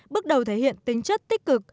bước đầu thể hiện tính chất tích cực